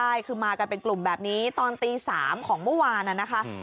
ใช่คือมากันเป็นกลุ่มแบบนี้ตอนตี๓ของเมื่อวานน่ะนะคะ